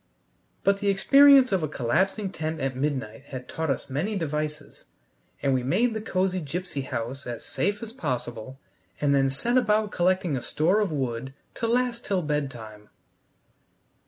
But the experience of a collapsing tent at midnight had taught us many devices, and we made the cosy gipsy house as safe as possible, and then set about collecting a store of wood to last till bedtime.